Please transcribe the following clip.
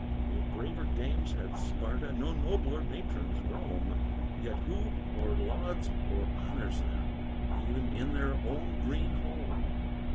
No braver dames had Sparta, No nobler matrons Rome, Yet who or lauds or honors them, E'en in their own green home!